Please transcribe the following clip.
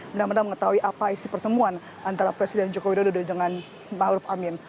benar benar mengetahui apa isi pertemuan antara presiden jokowi yudho dengan maruf amin